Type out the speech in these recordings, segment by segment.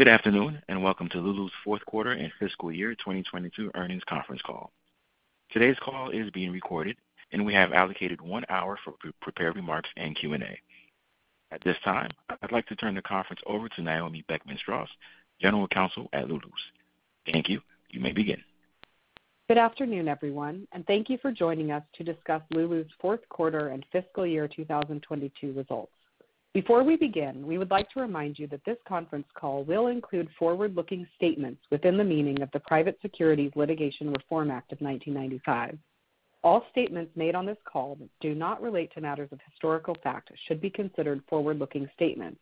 Good afternoon. Welcome to Lulu's fourth quarter and fiscal year 2022 earnings conference call. Today's call is being recorded, and we have allocated one hour for prepared remarks and Q&A. At this time, I'd like to turn the conference over to Naomi Beckman-Straus, General Counsel at Lulu's. Thank you. You may begin. Good afternoon, everyone, and thank you for joining us to discuss Lulu's fourth quarter and fiscal year 2022 results. Before we begin, we would like to remind you that this conference call will include forward-looking statements within the meaning of the Private Securities Litigation Reform Act of 1995. All statements made on this call that do not relate to matters of historical fact should be considered forward-looking statements,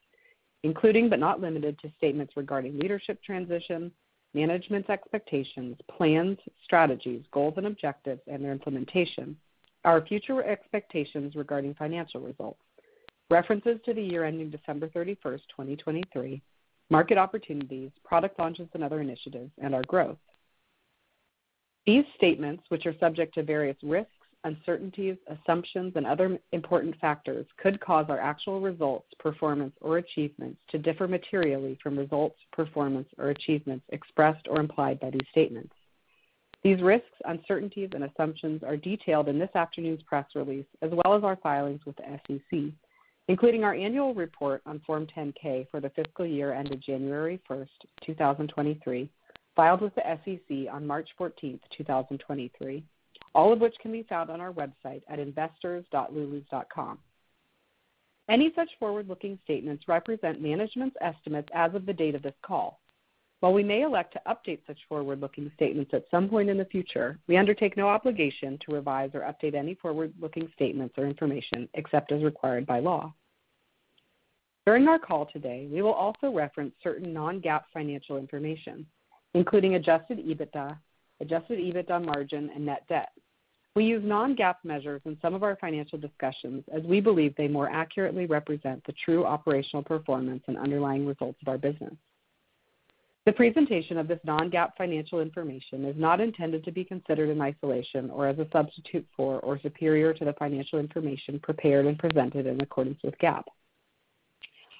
including, but not limited to, statements regarding leadership transitions, management's expectations, plans, strategies, goals and objectives and their implementation, our future expectations regarding financial results, references to the year ending December 31st, 2023, market opportunities, product launches and other initiatives, and our growth. These statements, which are subject to various risks, uncertainties, assumptions, and other important factors, could cause our actual results, performance, or achievements to differ materially from results, performance or achievements expressed or implied by these statements. These risks, uncertainties, and assumptions are detailed in this afternoon's press release, as well as our filings with the SEC, including our annual report on Form 10-K for the fiscal year ended January first, 2023, filed with the SEC on March fourteenth, 2023, all of which can be found on our website at investors.lulus.com. Any such forward-looking statements represent management's estimates as of the date of this call. While we may elect to update such forward-looking statements at some point in the future, we undertake no obligation to revise or update any forward-looking statements or information except as required by law. During our call today, we will also reference certain non-GAAP financial information, including Adjusted EBITDA, Adjusted EBITDA margin, and net debt. We use non-GAAP measures in some of our financial discussions as we believe they more accurately represent the true operational performance and underlying results of our business. The presentation of this non-GAAP financial information is not intended to be considered in isolation or as a substitute for, or superior to the financial information prepared and presented in accordance with GAAP.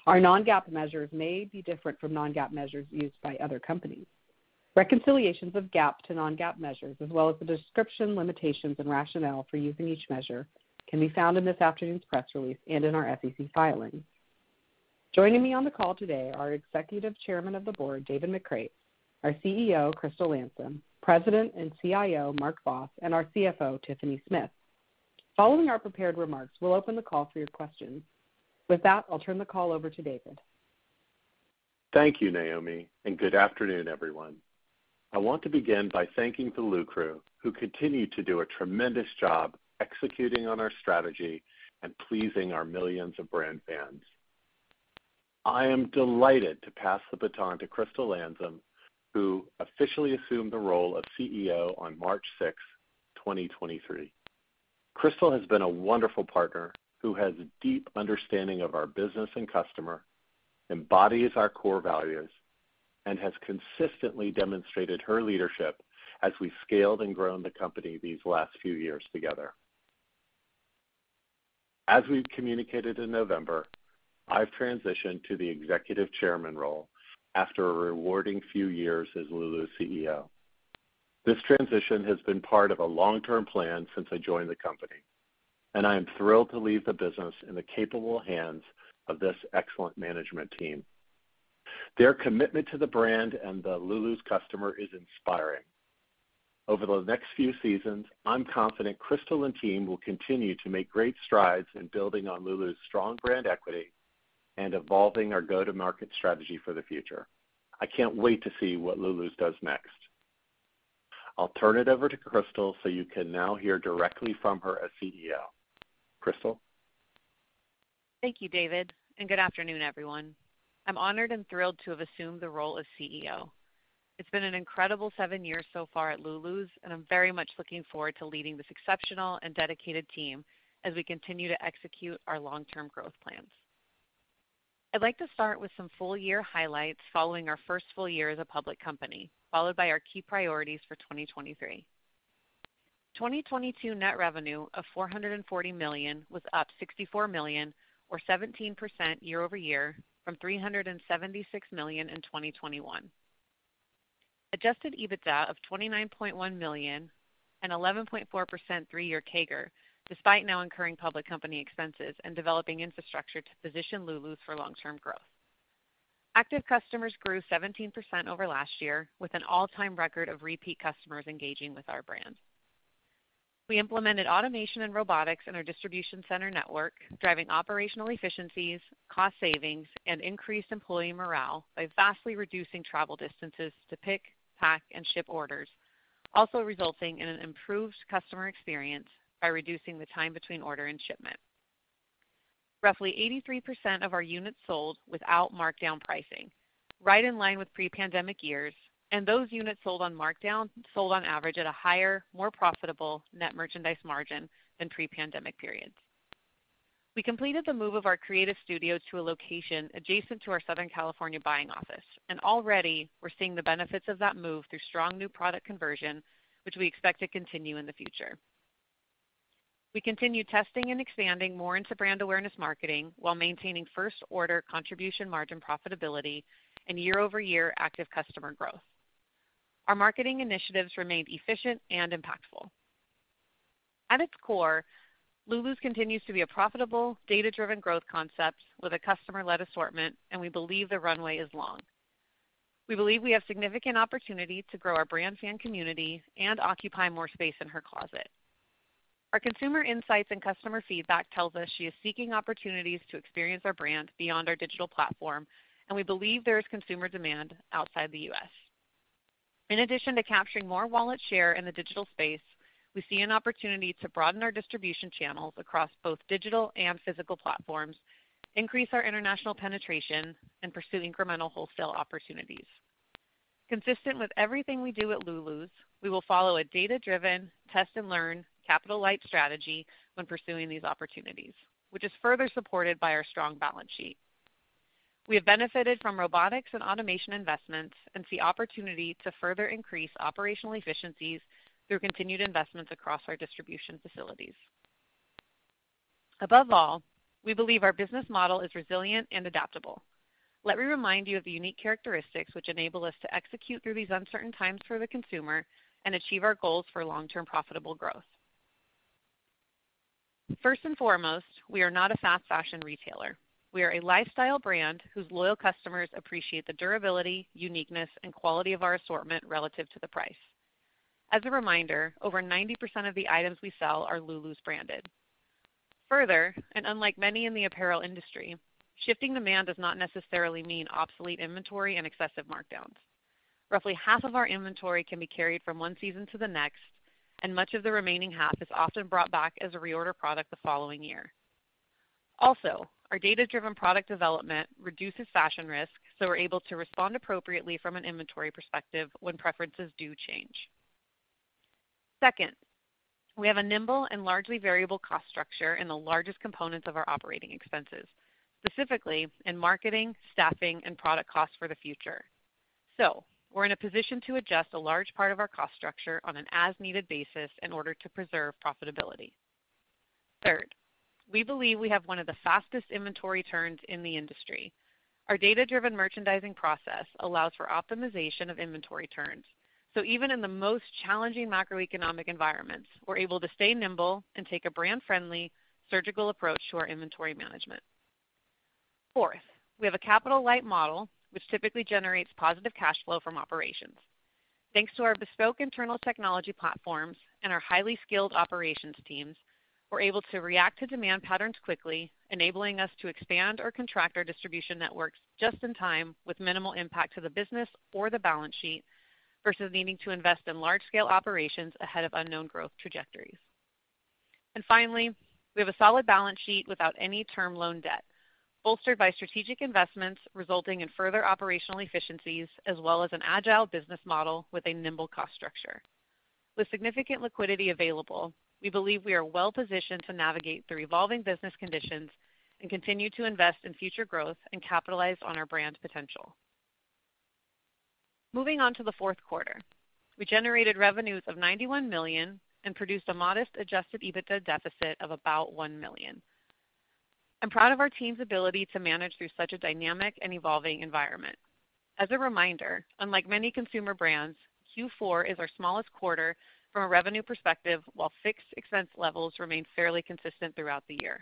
Our non-GAAP measures may be different from non-GAAP measures used by other companies. Reconciliations of GAAP to non-GAAP measures, as well as the description, limitations, and rationale for using each measure can be found in this afternoon's press release and in our SEC filings. Joining me on the call today are Executive Chairman of the Board, David McCreight, our CEO, Crystal Landsem, President and CIO, Mark Vos, and our CFO, Tiffany Smith. Following our prepared remarks, we'll open the call for your questions. With that, I'll turn the call over to David. Thank you, Naomi. Good afternoon, everyone. I want to begin by thanking the Lulu crew, who continue to do a tremendous job executing on our strategy and pleasing our millions of brand fans. I am delighted to pass the baton to Crystal Landsem, who officially assumed the role of CEO on March 6th, 2023. Crystal has been a wonderful partner who has a deep understanding of our business and customer, embodies our core values, and has consistently demonstrated her leadership as we scaled and grown the company these last few years together. As we've communicated in November, I've transitioned to the Executive Chairman role after a rewarding few years as Lulu's CEO. This transition has been part of a long-term plan since I joined the company. I am thrilled to leave the business in the capable hands of this excellent management team. Their commitment to the brand and the Lulu's customer is inspiring. Over the next few seasons, I'm confident Crystal and team will continue to make great strides in building on Lulu's strong brand equity and evolving our go-to-market strategy for the future. I can't wait to see what Lulu's does next. I'll turn it over to Crystal, you can now hear directly from her as CEO. Crystal? Thank you, David. Good afternoon, everyone. I'm honored and thrilled to have assumed the role as CEO. It's been an incredible seven years so far at Lulu's, and I'm very much looking forward to leading this exceptional and dedicated team as we continue to execute our long-term growth plans. I'd like to start with some full year highlights following our first full year as a public company, followed by our key priorities for 2023. 2022 net revenue of $440 million was up $64 million or 17% year-over-year from $376 million in 2021. Adjusted EBITDA of $29.1 million, an 11.4% three-year CAGR, despite now incurring public company expenses and developing infrastructure to position Lulu's for long-term growth. Active customers grew 17% over last year with an all-time record of repeat customers engaging with our brand. We implemented automation and robotics in our distribution center network, driving operational efficiencies, cost savings, and increased employee morale by vastly reducing travel distances to pick, pack, and ship orders, also resulting in an improved customer experience by reducing the time between order and shipment. Roughly 83% of our units sold without markdown pricing, right in line with pre-pandemic years, and those units sold on markdown sold on average at a higher, more profitable net merchandise margin than pre-pandemic periods. We completed the move of our creative studio to a location adjacent to our Southern California buying office. Already we're seeing the benefits of that move through strong new product conversion, which we expect to continue in the future. We continue testing and expanding more into brand awareness marketing while maintaining first order contribution margin profitability and year-over-year active customer growth. Our marketing initiatives remain efficient and impactful. At its core, Lulu's continues to be a profitable, data-driven growth concept with a customer-led assortment, and we believe the runway is long. We believe we have significant opportunity to grow our brand fan community and occupy more space in her closet. Our consumer insights and customer feedback tells us she is seeking opportunities to experience our brand beyond our digital platform, and we believe there is consumer demand outside the U.S. In addition to capturing more wallet share in the digital space, we see an opportunity to broaden our distribution channels across both digital and physical platforms, increase our international penetration, and pursue incremental wholesale opportunities. Consistent with everything we do at Lulu's, we will follow a data-driven, test and learn, capital-light strategy when pursuing these opportunities, which is further supported by our strong balance sheet. We have benefited from robotics and automation investments and see opportunity to further increase operational efficiencies through continued investments across our distribution facilities. Above all, we believe our business model is resilient and adaptable. Let me remind you of the unique characteristics which enable us to execute through these uncertain times for the consumer and achieve our goals for long-term profitable growth. First and foremost, we are not a fast fashion retailer. We are a lifestyle brand whose loyal customers appreciate the durability, uniqueness, and quality of our assortment relative to the price. As a reminder, over 90% of the items we sell are Lulu's branded. Further, unlike many in the apparel industry, shifting demand does not necessarily mean obsolete inventory and excessive markdowns. Roughly half of our inventory can be carried from one season to the next. Much of the remaining half is often brought back as a reorder product the following year. Our data-driven product development reduces fashion risk. We're able to respond appropriately from an inventory perspective when preferences do change. Second, we have a nimble and largely variable cost structure in the largest components of our operating expenses, specifically in marketing, staffing, and product costs for the future. We're in a position to adjust a large part of our cost structure on an as-needed basis in order to preserve profitability. Third, we believe we have one of the fastest inventory turns in the industry. Our data-driven merchandising process allows for optimization of inventory turns. Even in the most challenging macroeconomic environments, we're able to stay nimble and take a brand-friendly surgical approach to our inventory management. Fourth, we have a capital-light model, which typically generates positive cash flow from operations. Thanks to our bespoke internal technology platforms and our highly skilled operations teams, we're able to react to demand patterns quickly, enabling us to expand or contract our distribution networks just in time with minimal impact to the business or the balance sheet versus needing to invest in large-scale operations ahead of unknown growth trajectories. Finally, we have a solid balance sheet without any term loan debt, bolstered by strategic investments resulting in further operational efficiencies as well as an agile business model with a nimble cost structure. With significant liquidity available, we believe we are well positioned to navigate through evolving business conditions and continue to invest in future growth and capitalize on our brand's potential. Moving on to the fourth quarter, we generated revenues of $91 million and produced a modest Adjusted EBITDA deficit of about $1 million. I'm proud of our team's ability to manage through such a dynamic and evolving environment. As a reminder, unlike many consumer brands, Q4 is our smallest quarter from a revenue perspective, while fixed expense levels remain fairly consistent throughout the year.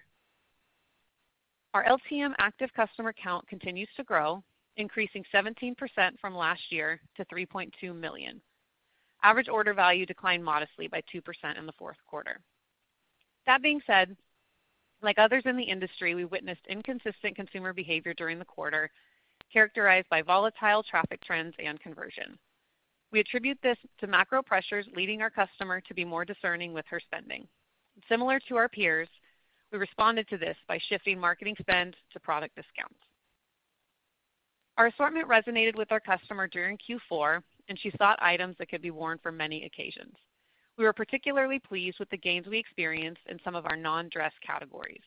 Our LTM active customer count continues to grow, increasing 17% from last year to 3.2 million. Average order value declined modestly by 2% in the fourth quarter. That being said, like others in the industry, we witnessed inconsistent consumer behavior during the quarter, characterized by volatile traffic trends and conversion. We attribute this to macro pressures leading our customer to be more discerning with her spending. Similar to our peers, we responded to this by shifting marketing spend to product discounts. Our assortment resonated with our customer during Q4, and she sought items that could be worn for many occasions. We were particularly pleased with the gains we experienced in some of our non-dress categories.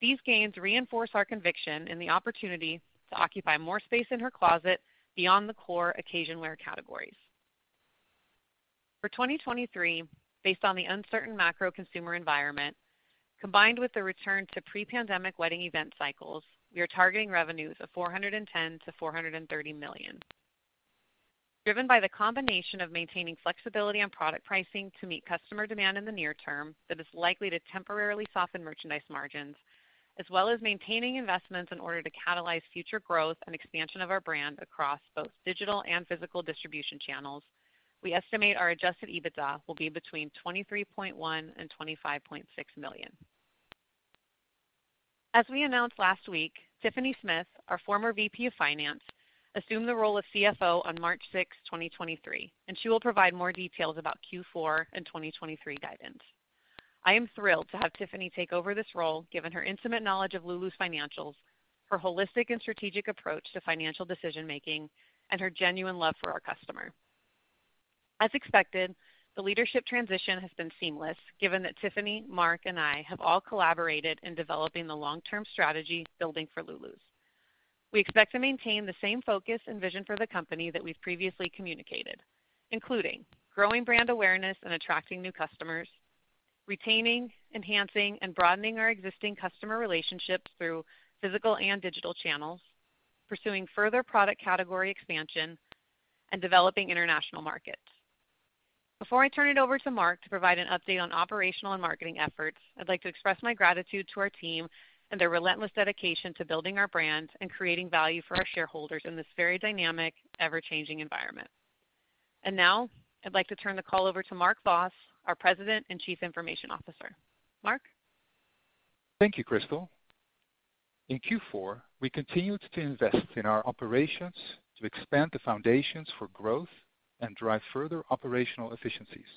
These gains reinforce our conviction in the opportunity to occupy more space in her closet beyond the core occasion wear categories. For 2023, based on the uncertain macro consumer environment, combined with the return to pre-pandemic wedding event cycles, we are targeting revenues of $410 million-$430 million. Driven by the combination of maintaining flexibility on product pricing to meet customer demand in the near term that is likely to temporarily soften merchandise margins, as well as maintaining investments in order to catalyze future growth and expansion of our brand across both digital and physical distribution channels, we estimate our Adjusted EBITDA will be between $23.1 million and $25.6 million. As we announced last week, Tiffany Smith, our former VP of finance, assumed the role of CFO on March 6, 2023, and she will provide more details about Q4 and 2023 guidance. I am thrilled to have Tiffany take over this role, given her intimate knowledge of Lulu's financials, her holistic and strategic approach to financial decision-making, and her genuine love for our customer. As expected, the leadership transition has been seamless, given that Tiffany, Mark, and I have all collaborated in developing the long-term strategy building for Lulu's. We expect to maintain the same focus and vision for the company that we've previously communicated, including growing brand awareness and attracting new customers, retaining, enhancing, and broadening our existing customer relationships through physical and digital channels, pursuing further product category expansion, and developing international markets. Before I turn it over to Mark to provide an update on operational and marketing efforts, I'd like to express my gratitude to our team and their relentless dedication to building our brand and creating value for our shareholders in this very dynamic, ever-changing environment. Now I'd like to turn the call over to Mark Vos, our President and Chief Information Officer. Mark. Thank you, Crystal. In Q4, we continued to invest in our operations to expand the foundations for growth and drive further operational efficiencies.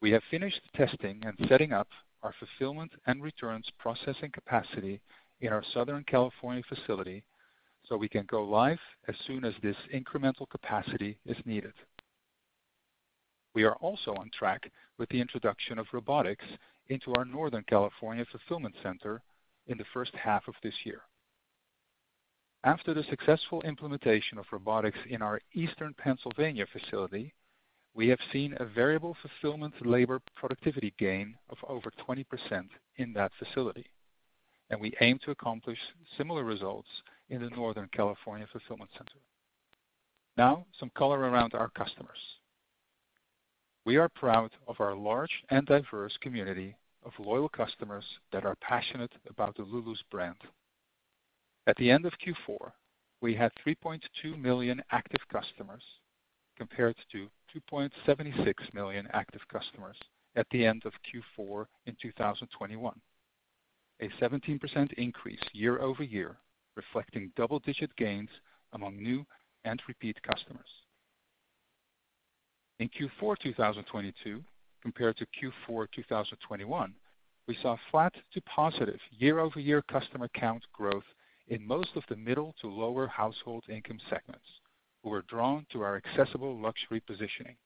We have finished testing and setting up our fulfillment and returns processing capacity in our Southern California facility, so we can go live as soon as this incremental capacity is needed. We are also on track with the introduction of robotics into our Northern California fulfillment center in the first half of this year. After the successful implementation of robotics in our Eastern Pennsylvania facility, we have seen a variable fulfillment labor productivity gain of over 20% in that facility, and we aim to accomplish similar results in the Northern California fulfillment center. Now, some color around our customers. We are proud of our large and diverse community of loyal customers that are passionate about the Lulu's brand. At the end of Q4, we had $3.2 million active customers compared to $2.76 million active customers at the end of Q4 in 2021. A 17% increase year-over-year, reflecting double-digit gains among new and repeat customers. In Q4 of 2022 compared to Q4 2021, we saw flat to positive year-over-year customer count growth in most of the middle to lower household income segments who are drawn to our accessible luxury positioning.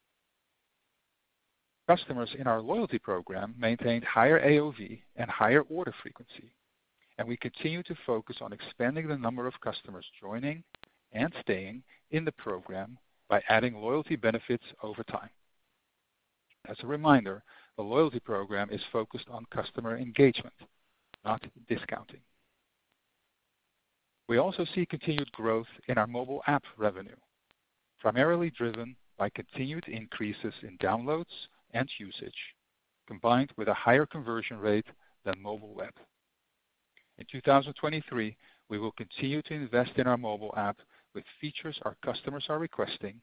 Customers in our loyalty program maintained higher AOV and higher order frequency, and we continue to focus on expanding the number of customers joining and staying in the program by adding loyalty benefits over time. As a reminder, the loyalty program is focused on customer engagement, not discounting. We also see continued growth in our mobile app revenue, primarily driven by continued increases in downloads and usage, combined with a higher conversion rate than mobile web. In 2023, we will continue to invest in our mobile app with features our customers are requesting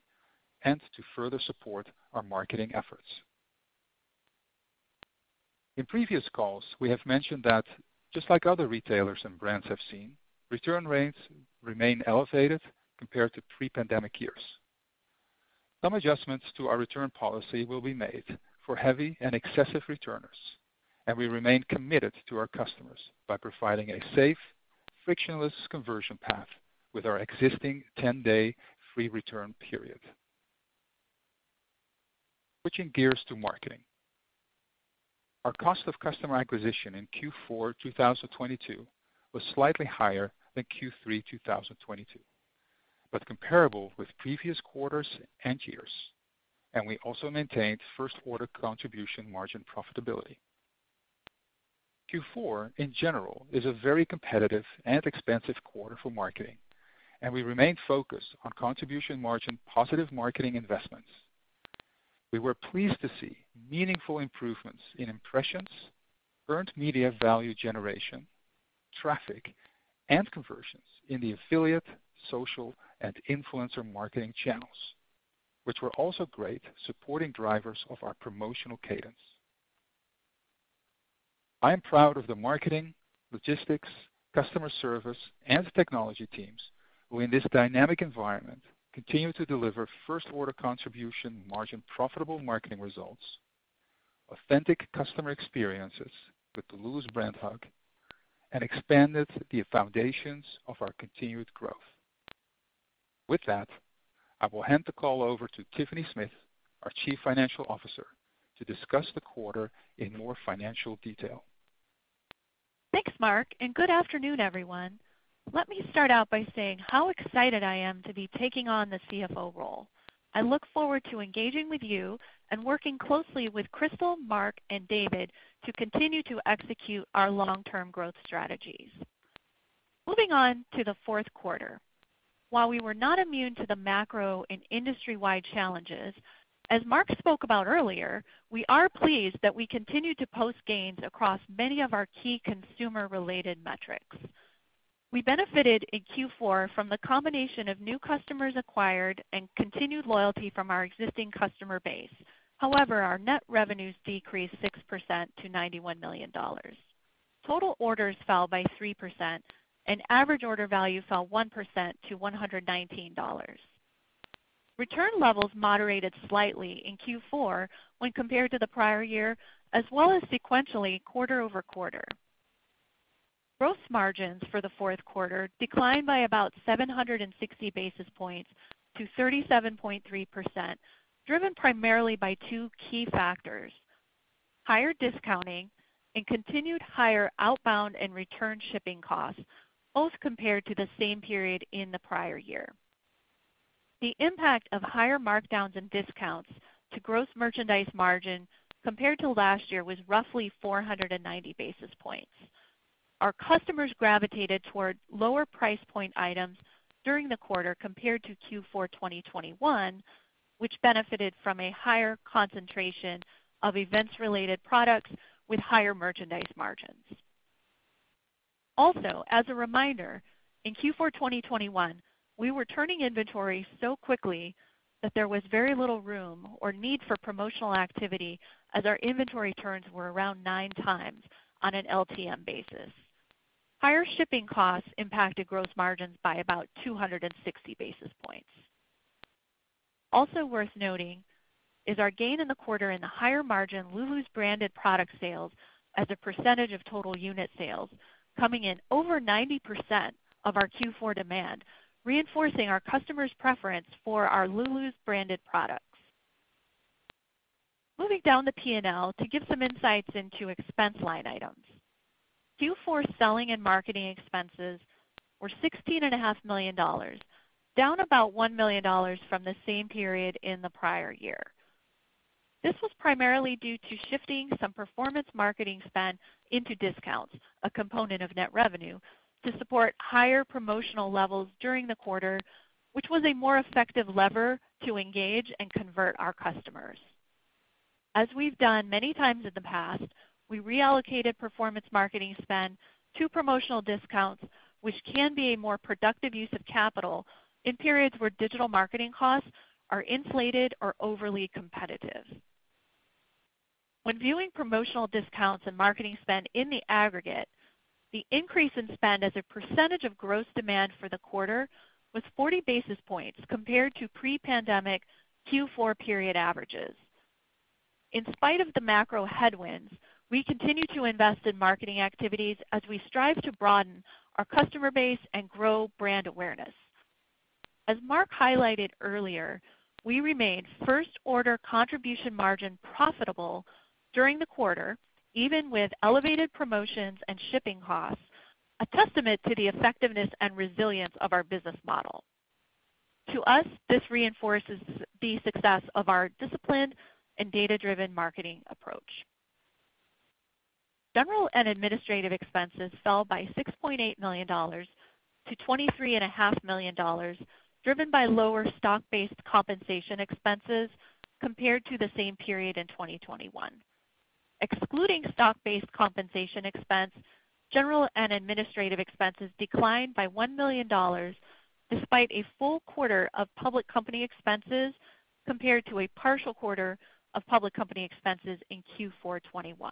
and to further support our marketing efforts. In previous calls, we have mentioned that just like other retailers and brands have seen, return rates remain elevated compared to pre-pandemic years. Some adjustments to our return policy will be made for heavy and excessive returners, and we remain committed to our customers by providing a safe, frictionless conversion path with our existing 10-day free return period. Switching gears to marketing. Our cost of customer acquisition in Q4 2022 was slightly higher than Q3 2022, but comparable with previous quarters and years. We also maintained first order contribution margin profitability. Q4, in general, is a very competitive and expensive quarter for marketing. We remain focused on contribution margin positive marketing investments. We were pleased to see meaningful improvements in impressions, earned media value generation, traffic, and conversions in the affiliate, social, and influencer marketing channels, which were also great supporting drivers of our promotional cadence. I am proud of the marketing, logistics, customer service, and technology teams who, in this dynamic environment, continue to deliver first order contribution, margin profitable marketing results, authentic customer experiences with the Lulu's brand hug, and expanded the foundations of our continued growth. With that, I will hand the call over to Tiffany Smith, our Chief Financial Officer, to discuss the quarter in more financial detail. Thanks, Mark. Good afternoon, everyone. Let me start out by saying how excited I am to be taking on the CFO role. I look forward to engaging with you and working closely with Crystal, Mark, and David to continue to execute our long-term growth strategies. Moving on to the fourth quarter. While we were not immune to the macro and industry-wide challenges, as Mark spoke about earlier, we are pleased that we continued to post gains across many of our key consumer-related metrics. We benefited in Q4 from the combination of new customers acquired and continued loyalty from our existing customer base. However, our net revenues decreased 6% to $91 million. Total orders fell by 3%, and average order value fell 1% to $119. Return levels moderated slightly in Q4 when compared to the prior year, as well as sequentially quarter-over-quarter. Gross margins for the fourth quarter declined by about 760 basis points to 37.3%, driven primarily by two key factors: Higher discounting and continued higher outbound and return shipping costs, both compared to the same period in the prior year. The impact of higher markdowns and discounts to gross merchandise margin compared to last year was roughly 490 basis points. Our customers gravitated toward lower price point items during the quarter compared to Q4 2021, which benefited from a higher concentration of events-related products with higher merchandise margins. As a reminder, in Q4 2021, we were turning inventory so quickly that there was very little room or need for promotional activity as our inventory turns were around 9 times on an LTM basis. Higher shipping costs impacted gross margins by about 260 basis points. Worth noting is our gain in the quarter in the higher margin Lulu's branded product sales as a percentage of total unit sales coming in over 90% of our Q4 demand, reinforcing our customers preference for our Lulu's branded products. Moving down the P&L to give some insights into expense line items. Q4 selling and marketing expenses were $16.5 million, down about $1 million from the same period in the prior year. This was primarily due to shifting some performance marketing spend into discounts, a component of net revenue, to support higher promotional levels during the quarter, which was a more effective lever to engage and convert our customers. As we've done many times in the past, we reallocated performance marketing spend to promotional discounts, which can be a more productive use of capital in periods where digital marketing costs are inflated or overly competitive. When viewing promotional discounts and marketing spend in the aggregate, the increase in spend as a percentage of gross demand for the quarter was 40 basis points compared to pre-pandemic Q4 period averages. In spite of the macro headwinds, we continue to invest in marketing activities as we strive to broaden our customer base and grow brand awareness. As Mark highlighted earlier, we remained first order contribution margin profitable during the quarter, even with elevated promotions and shipping costs, a testament to the effectiveness and resilience of our business model. To us, this reinforces the success of our disciplined and data-driven marketing approach. General and administrative expenses fell by $6.8 million to $23.5 million, driven by lower stock-based compensation expenses compared to the same period in 2021. Excluding stock-based compensation expense, general and administrative expenses declined by $1 million, despite a full quarter of public company expenses compared to a partial quarter of public company expenses in Q4 2021.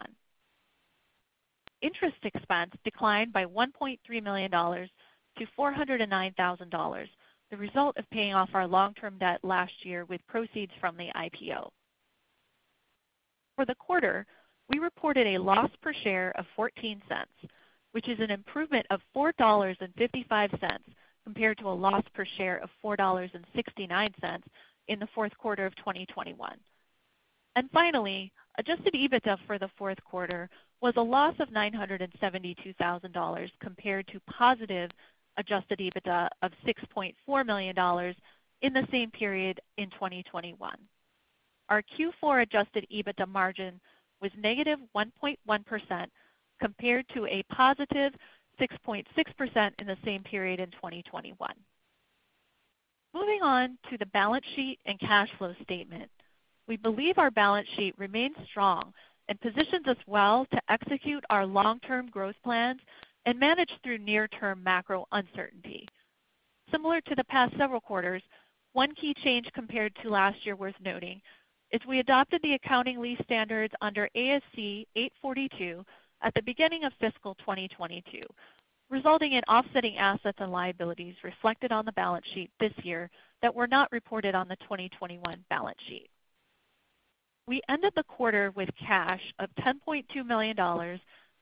Interest expense declined by $1.3 million to $409,000, the result of paying off our long-term debt last year with proceeds from the IPO. For the quarter, we reported a loss per share of $0.14, which is an improvement of $4.55 compared to a loss per share of $4.69 in the fourth quarter of 2021. Finally, Adjusted EBITDA for the fourth quarter was a loss of $972,000 compared to positive Adjusted EBITDA of $6.4 million in the same period in 2021. Our Q4 Adjusted EBITDA margin was negative 1.1% compared to a positive 6.6% in the same period in 2021. Moving on to the balance sheet and cash flow statement. We believe our balance sheet remains strong and positions us well to execute our long-term growth plans and manage through near-term macro uncertainty. Similar to the past several quarters, one key change compared to last year worth noting is we adopted the accounting lease standards under ASC 842 at the beginning of fiscal 2022, resulting in offsetting assets and liabilities reflected on the balance sheet this year that were not reported on the 2021 balance sheet. We ended the quarter with cash of $10.2 million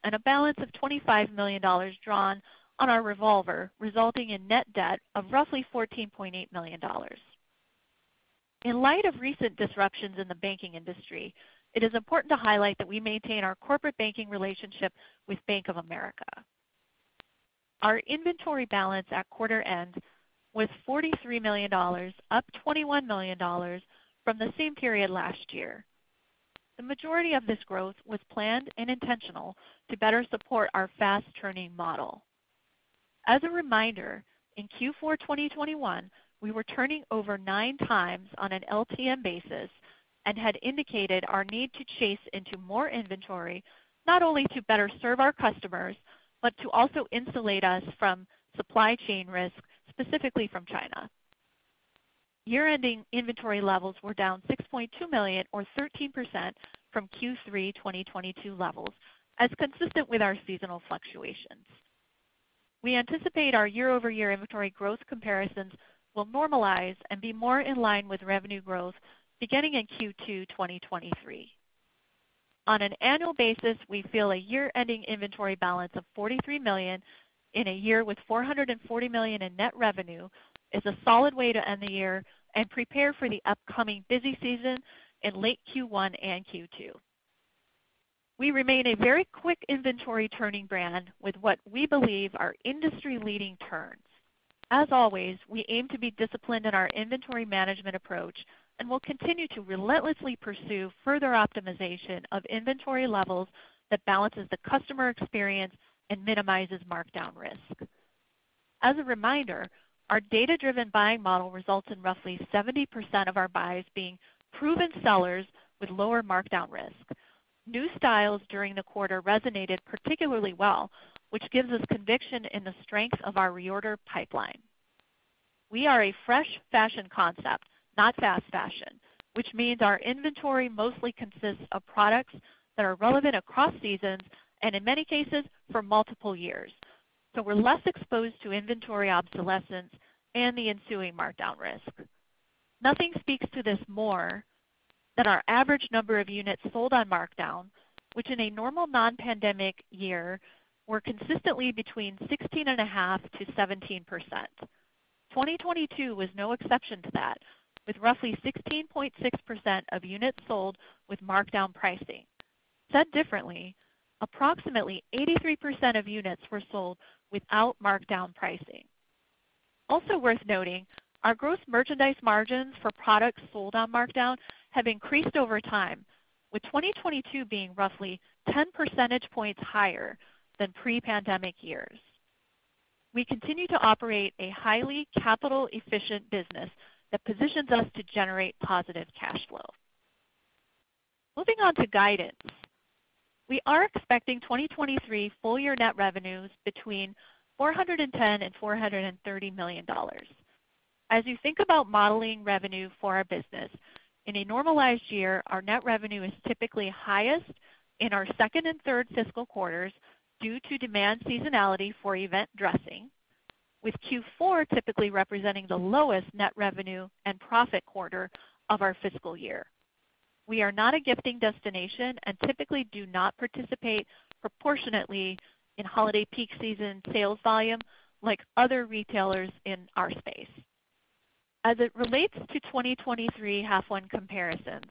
and a balance of $25 million drawn on our revolver, resulting in net debt of roughly $14.8 million. In light of recent disruptions in the banking industry, it is important to highlight that we maintain our corporate banking relationship with Bank of America. Our inventory balance at quarter end was $43 million, up $21 million from the same period last year. The majority of this growth was planned and intentional to better support our fast turning model. As a reminder, in Q4 2021, we were turning over nine times on an LTM basis and had indicated our need to chase into more inventory, not only to better serve our customers, but to also insulate us from supply chain risk, specifically from China. Year-ending inventory levels were down $6.2 million or 13% from Q3 2022 levels, as consistent with our seasonal fluctuations. We anticipate our year-over-year inventory growth comparisons will normalize and be more in line with revenue growth beginning in Q2 2023. On an annual basis, we feel a year-ending inventory balance of $43 million in a year with $440 million in net revenue is a solid way to end the year and prepare for the upcoming busy season in late Q1 and Q2. We remain a very quick inventory turning brand with what we believe are industry leading turns. As always, we aim to be disciplined in our inventory management approach, and we'll continue to relentlessly pursue further optimization of inventory levels that balances the customer experience and minimizes markdown risk. As a reminder, our data-driven buying model results in roughly 70% of our buys being proven sellers with lower markdown risk. New styles during the quarter resonated particularly well, which gives us conviction in the strength of our reorder pipeline. We are a fresh fashion concept, not fast fashion, which means our inventory mostly consists of products that are relevant across seasons and, in many cases, for multiple years. We're less exposed to inventory obsolescence and the ensuing markdown risk. Nothing speaks to this more than our average number of units sold on markdown, which in a normal non-pandemic year were consistently between 16.5%-17%. 2022 was no exception to that, with roughly 16.6% of units sold with markdown pricing. Said differently, approximately 83% of units were sold without markdown pricing. Also worth noting, our gross merchandise margins for products sold on markdown have increased over time, with 2022 being roughly 10 percentage points higher than pre-pandemic years. We continue to operate a highly capital efficient business that positions us to generate positive cash flow. Moving on to guidance. We are expecting 2023 full year net revenues between $410 million and $430 million. As you think about modeling revenue for our business, in a normalized year, our net revenue is typically highest in our second and third fiscal quarters due to demand seasonality for event dressing, with Q4 typically representing the lowest net revenue and profit quarter of our fiscal year. We are not a gifting destination and typically do not participate proportionately in holiday peak season sales volume like other retailers in our space. As it relates to 2023 half one comparisons,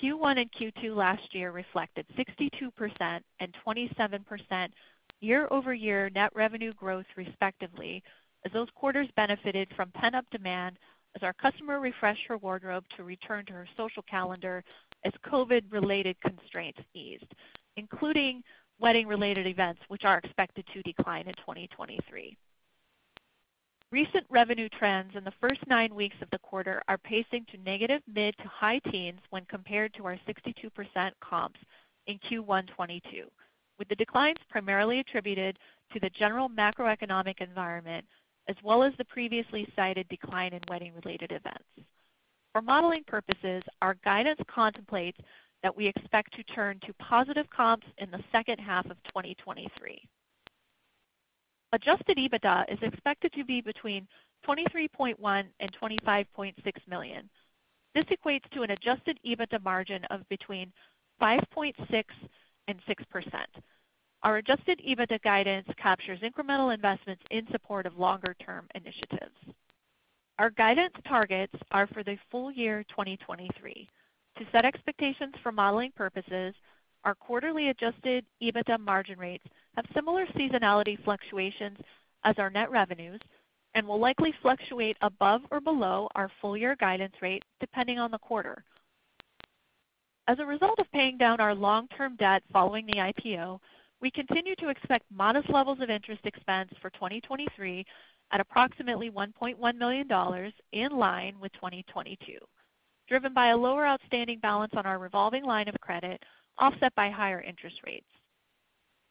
Q1 and Q2 last year reflected 62% and 27% year-over-year net revenue growth respectively, as those quarters benefited from pent up demand as our customer refreshed her wardrobe to return to her social calendar as COVID related constraints eased, including wedding related events, which are expected to decline in 2023. Recent revenue trends in the first 9 weeks of the quarter are pacing to negative mid to high teens when compared to our 62% comps in Q1 2022, with the declines primarily attributed to the general macroeconomic environment as well as the previously cited decline in wedding related events. For modeling purposes, our guidance contemplates that we expect to turn to positive comps in the second half of 2023. Adjusted EBITDA is expected to be between $23.1 million and $25.6 million. This equates to an Adjusted EBITDA margin of between 5.6% and 6%. Our Adjusted EBITDA guidance captures incremental investments in support of longer term initiatives. Our guidance targets are for the full year 2023. To set expectations for modeling purposes, our quarterly Adjusted EBITDA margin rates have similar seasonality fluctuations as our net revenues and will likely fluctuate above or below our full year guidance rate depending on the quarter. As a result of paying down our long term debt following the IPO, we continue to expect modest levels of interest expense for 2023 at approximately $1.1 million, in line with 2022, driven by a lower outstanding balance on our revolving line of credit, offset by higher interest rates.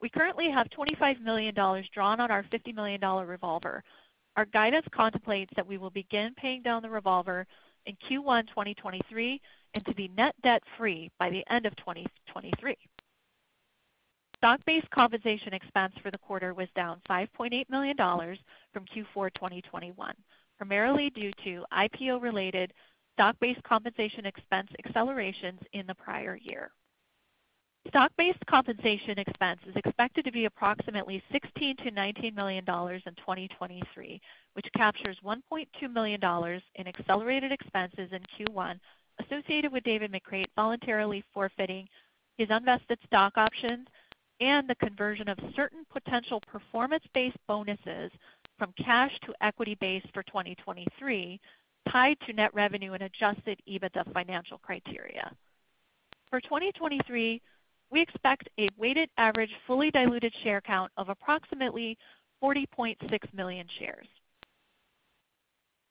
We currently have $25 million drawn on our $50 million revolver. Our guidance contemplates that we will begin paying down the revolver in Q1 2023 and to be net debt free by the end of 2023. Stock based compensation expense for the quarter was down $5.8 million from Q4 2021, primarily due to IPO related stock based compensation expense accelerations in the prior year. Stock based compensation expense is expected to be approximately $16 million-$19 million in 2023, which captures $1.2 million in accelerated expenses in Q1 associated with David McCreight voluntarily forfeiting his unvested stock options and the conversion of certain potential performance based bonuses from cash to equity base for 2023 tied to net revenue and Adjusted EBITDA financial criteria. For 2023, we expect a weighted average fully diluted share count of approximately 40.6 million shares.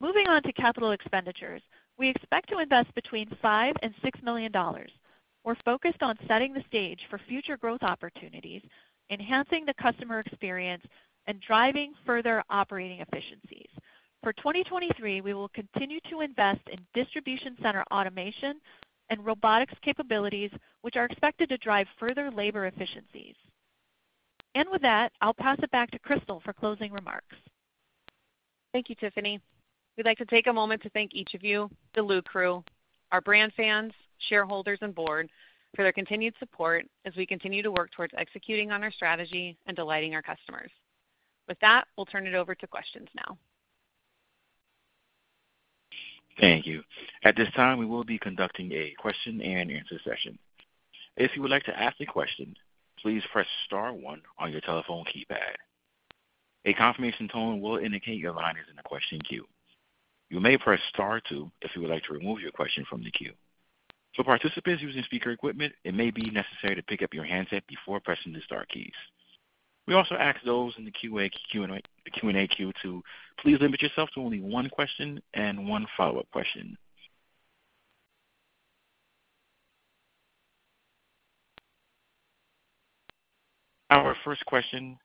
Moving on to capital expenditures. We expect to invest between $5 million and $6 million. We're focused on setting the stage for future growth opportunities, enhancing the customer experience and driving further operating efficiencies. For 2023, we will continue to invest in distribution center automation and robotics capabilities, which are expected to drive further labor efficiencies. With that, I'll pass it back to Crystal for closing remarks. Thank you, Tiffany. We'd like to take a moment to thank each of you, the Lulu crew, our brand fans, shareholders, and board for their continued support as we continue to work towards executing on our strategy and delighting our customers. We'll turn it over to questions now. Thank you. At this time, we will be conducting a question and answer session. If you would like to ask a question, please press star one on your telephone keypad. A confirmation tone will indicate your line is in the question queue. You may press star two if you would like to remove your question from the queue. For participants using speaker equipment, it may be necessary to pick up your handset before pressing the star keys. We also ask those in the Q&A queue to please limit yourself to only one question and one follow-up question. Our first question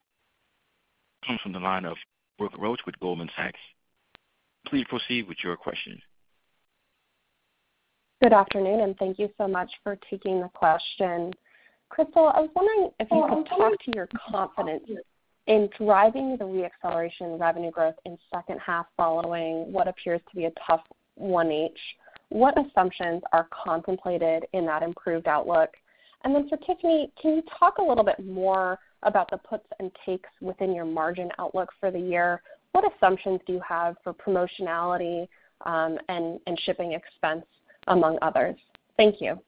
comes from the line of Brooke Roach with Goldman Sachs. Please proceed with your question. Good afternoon, thank you so much for taking the question. Crystal, I was wondering if you could talk to your confidence in driving the re-acceleration revenue growth in second half following what appears to be a tough 1H. What assumptions are contemplated in that improved outlook? For Tiffany, can you talk a little bit more about the puts and takes within your margin outlook for the year? What assumptions do you have for promotionality, and shipping expense, among others? Thank you.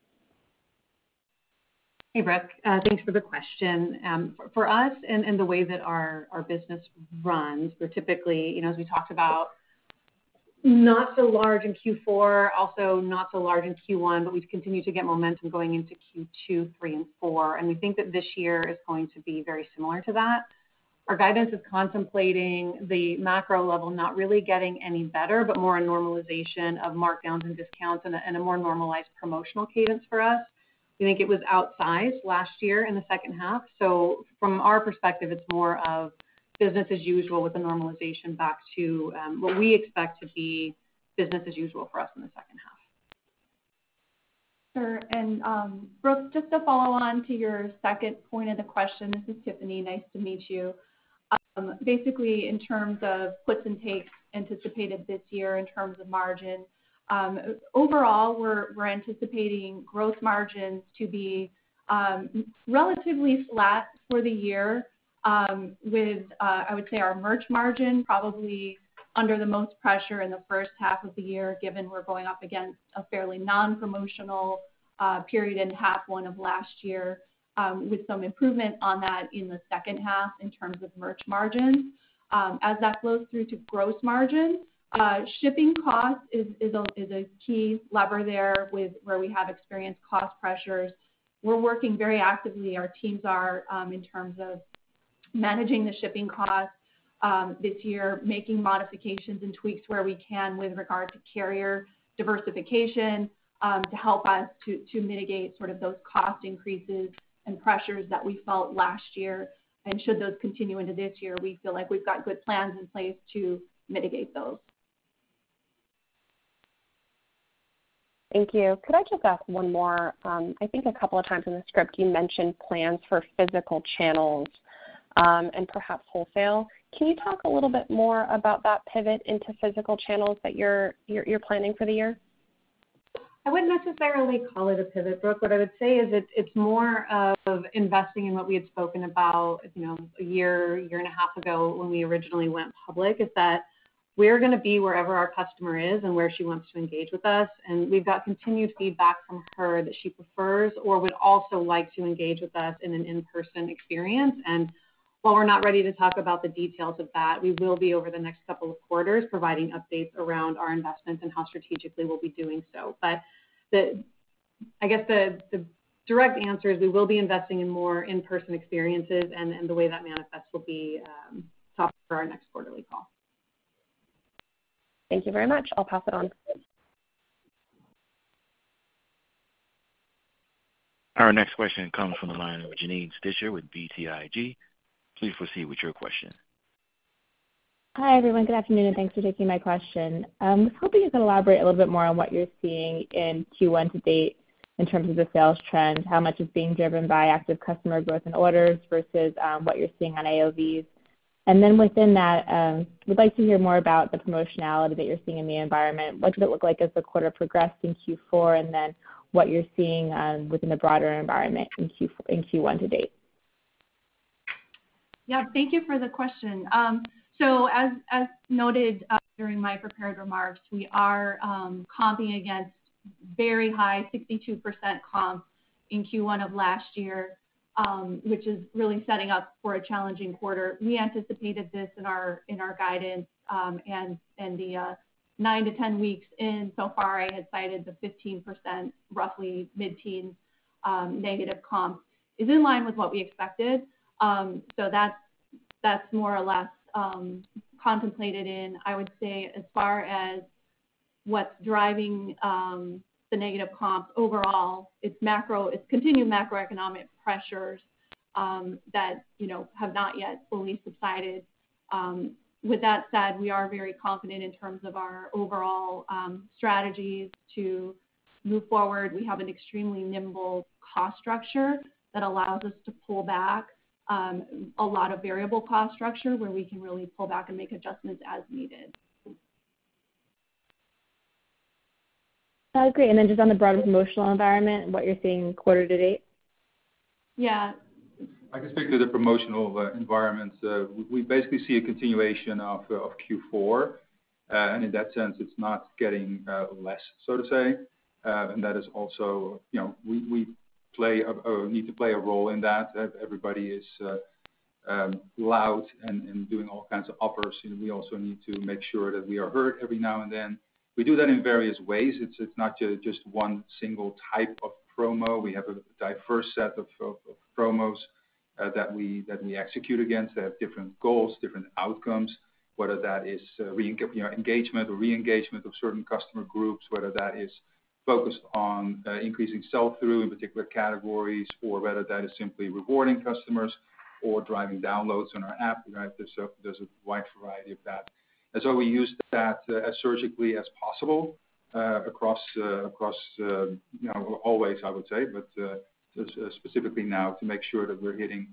Hey, Brooke. Thanks for the question. For us and the way that our business runs, we're typically, you know, as we talked about, not so large in Q4, also not so large in Q1. We continue to get momentum going into Q2, 3, and 4. We think that this year is going to be very similar to that. Our guidance is contemplating the macro level not really getting any better, more a normalization of markdowns and discounts and a more normalized promotional cadence for us. We think it was outsized last year in the second half. From our perspective, it's more of business as usual with the normalization back to what we expect to be business as usual for us in the second half. Sure. Brooke, just to follow on to your second point of the question. This is Tiffany. Nice to meet you. Basically, in terms of puts and takes anticipated this year in terms of margin, overall, we're anticipating gross margins to be relatively flat for the year, with I would say our merch margin probably under the most pressure in the first half of the year, given we're going up against a fairly non-promotional period in half 1 of last year, with some improvement on that in the second half in terms of merch margin. As that flows through to gross margin, shipping cost is a key lever there with where we have experienced cost pressures. We're working very actively, our teams are, in terms of managing the shipping costs, this year, making modifications and tweaks where we can with regard to carrier diversification, to help us to mitigate sort of those cost increases and pressures that we felt last year. Should those continue into this year, we feel like we've got good plans in place to mitigate those. Thank you. Could I just ask one more? I think a couple of times in the script, you mentioned plans for physical channels, and perhaps wholesale. Can you talk a little bit more about that pivot into physical channels that you're planning for the year? I wouldn't necessarily call it a pivot, Brooke. What I would say is it's more of investing in what we had spoken about, you know, a year and a half ago when we originally went public, is that we're gonna be wherever our customer is and where she wants to engage with us. We've got continued feedback from her that she prefers or would also like to engage with us in an in-person experience. While we're not ready to talk about the details of that, we will be over the next couple of quarters, providing updates around our investments and how strategically we'll be doing so. I guess the direct answer is we will be investing in more in-person experiences and the way that manifests will be talked for our next quarterly call. Thank you very much. I'll pass it on. Our next question comes from the line of Janine Stichter with BTIG. Please proceed with your question. Hi, everyone. Good afternoon, and thanks for taking my question. I'm hoping you can elaborate a little bit more on what you're seeing in Q1 to date in terms of the sales trends, how much is being driven by active customer growth and orders versus, what you're seeing on AOV. Within that, would like to hear more about the promotionality that you're seeing in the environment. What does it look like as the quarter progressed in Q4, and then what you're seeing, within the broader environment in Q1 to date? Yeah. Thank you for the question. As noted, during my prepared remarks, we are comping against very high 62% comps in Q1 of last year, which is really setting up for a challenging quarter. We anticipated this in our guidance, and the 9-10 weeks in so far, I had cited the 15%, roughly mid-teen negative comp is in line with what we expected. That's more or less contemplated in, I would say as far as what's driving the negative comps overall, it's macro. It's continued macroeconomic pressures that, you know, have not yet fully subsided. With that said, we are very confident in terms of our overall strategies to move forward. We have an extremely nimble cost structure that allows us to pull back, a lot of variable cost structure where we can really pull back and make adjustments as needed. Oh, great. Just on the broader promotional environment and what you're seeing quarter to date? Yeah. I can speak to the promotional environment. We basically see a continuation of Q4. In that sense, it's not getting less, so to say. That is also. You know, we need to play a role in that. Everybody is loud and doing all kinds of offers, and we also need to make sure that we are heard every now and then. We do that in various ways. It's not just one single type of promo. We have a diverse set of promos that we execute against. They have different goals, different outcomes, whether that is, you know, engagement or re-engagement of certain customer groups, whether that is focused on increasing sell-through in particular categories or whether that is simply rewarding customers or driving downloads on our app. You know, there's a, there's a wide variety of that. So we use that as surgically as possible across, you know, always, I would say. Specifically now to make sure that we're hitting,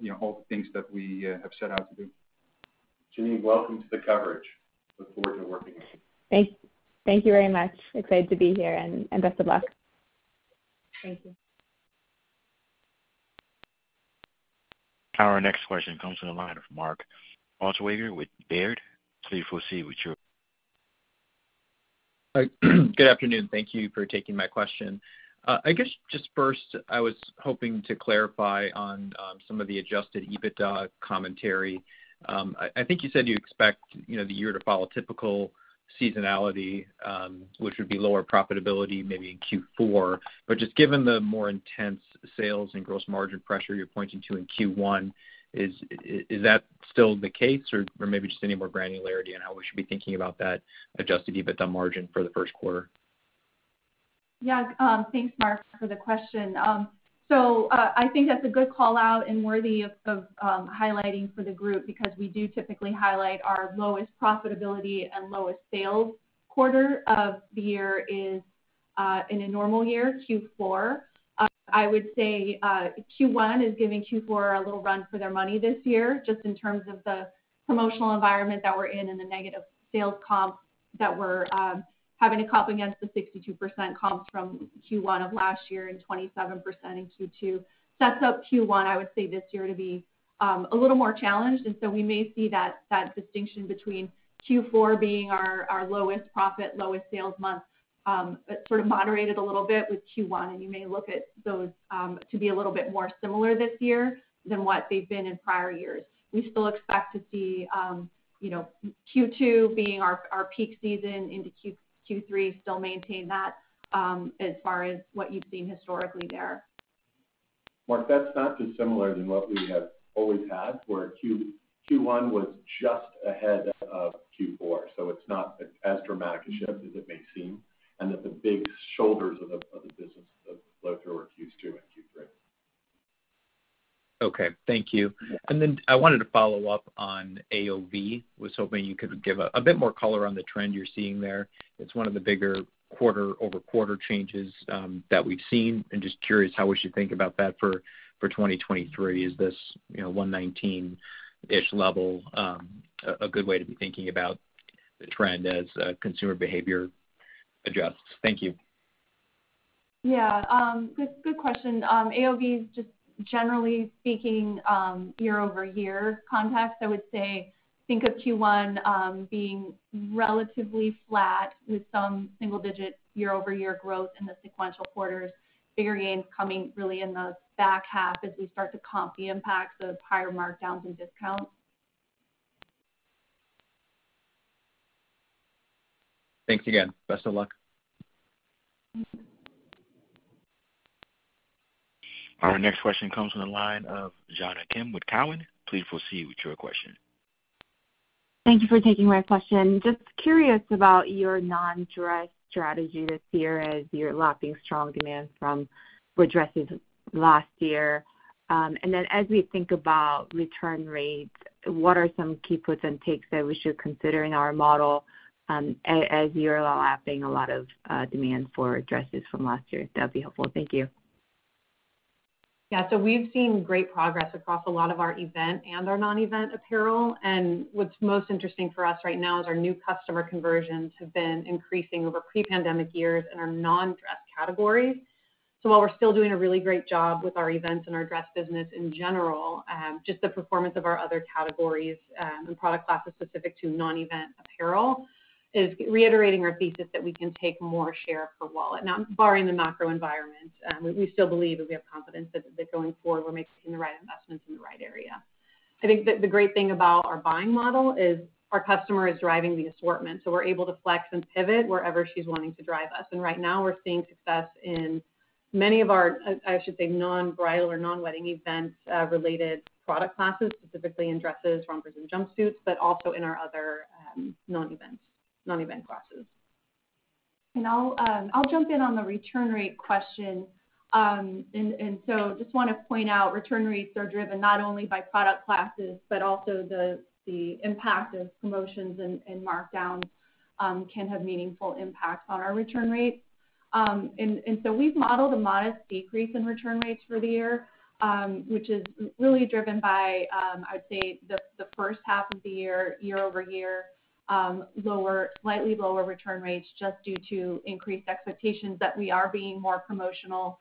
you know, all the things that we have set out to do. Janine, welcome to the coverage. Look forward to working with you. Thank you very much. Excited to be here and best of luck. Thank you. Our next question comes from the line of Mark Altschwager with Baird. Please proceed with your... Hi. Good afternoon. Thank you for taking my question. I guess just first, I was hoping to clarify on some of the Adjusted EBITDA commentary. I think you said you expect, you know, the year to follow typical seasonality, which would be lower profitability maybe in Q4. Just given the more intense sales and gross margin pressure you're pointing to in Q1, is that still the case or maybe just any more granularity on how we should be thinking about that Adjusted EBITDA margin for the first quarter? Yeah. Thanks, Mark, for the question. I think that's a good call-out and worthy of highlighting for the group because we do typically highlight our lowest profitability and lowest sales quarter of the year is in a normal year, Q4. I would say Q1 is giving Q4 a little run for their money this year, just in terms of the promotional environment that we're in and the negative sales comps that we're having to comp against the 62% comps from Q1 of last year and 27% in Q2. Sets up Q1, I would say, this year to be a little more challenged. We may see that distinction between Q4 being our lowest profit, lowest sales month, sort of moderated a little bit with Q1. You may look at those to be a little bit more similar this year than what they've been in prior years. We still expect to see, you know, Q2 being our peak season into Q3 still maintain that as far as what you've seen historically there. Mark, that's not dissimilar than what we have always had, where Q1 was just ahead of Q4. It's not as dramatic a shift as it may seem. The big shoulders of the business flow through are Q2 and Q3. Okay. Thank you. Yeah. I wanted to follow up on AOV. Was hoping you could give a bit more color on the trend you're seeing there. It's one of the bigger quarter-over-quarter changes that we've seen. Just curious how we should think about that for 2023. Is this, you know, $119-ish level a good way to be thinking about the trend as consumer behavior adjusts? Thank you. Yeah. good question. AOV is just generally speaking, year-over-year context, I would say think of Q1 being relatively flat with some single-digit year-over-year growth in the sequential quarters. Bigger gains coming really in the back half as we start to comp the impact of prior markdowns and discounts. Thanks again. Best of luck. Thank you. Our next question comes from the line of Jonna Kim with Cowen. Please proceed with your question. Thank you for taking my question. Just curious about your non-dress strategy this year as you're lapping strong demand from dresses last year. As we think about return rates, what are some key puts and takes that we should consider in our model, as you're lapping a lot of demand for dresses from last year? That'd be helpful. Thank you. We've seen great progress across a lot of our event and our non-event apparel. What's most interesting for us right now is our new customer conversions have been increasing over pre-pandemic years in our non-dress categories. While we're still doing a really great job with our events and our dress business in general, just the performance of our other categories, and product classes specific to non-event apparel is reiterating our thesis that we can take more share for wallet. Barring the macro environment, we still believe and we have confidence that going forward, we're making the right investments in the right area. I think the great thing about our buying model is our customer is driving the assortment, so we're able to flex and pivot wherever she's wanting to drive us. Right now we're seeing success in many of our, I should say non-bridal or non-wedding event, related product classes, specifically in dresses, rompers, and jumpsuits, but also in our other, non-event classes. I'll jump in on the return rate question. Just wanna point out, return rates are driven not only by product classes, but also the impact of promotions and markdowns can have meaningful impacts on our return rates. We've modeled a modest decrease in return rates for the year, which is really driven by, I'd say the first half of the year-over-year, lower, slightly lower return rates just due to increased expectations that we are being more promotional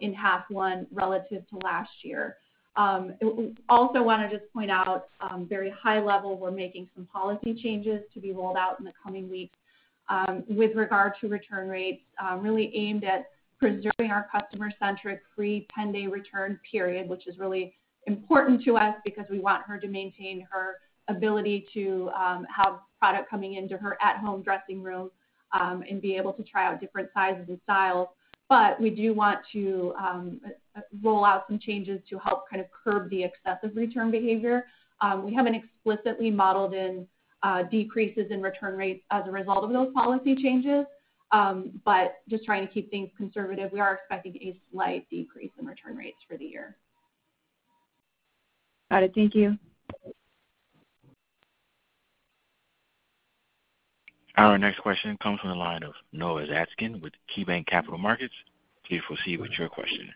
in half one relative to last year. We also wanna just point out, very high level, we're making some policy changes to be rolled out in the coming weeks, with regard to return rates, really aimed at preserving our customer-centric free 10-day return period, which is really important to us because we want her to maintain her ability to have product coming into her at-home dressing room, and be able to try out different sizes and styles. We do want to roll out some changes to help kind of curb the excessive return behavior. We haven't explicitly modeled in decreases in return rates as a result of those policy changes, but just trying to keep things conservative, we are expecting a slight decrease in return rates for the year. Got it. Thank you. Our next question comes from the line of Noah Zatzkin with KeyBanc Capital Markets. Please proceed with your question.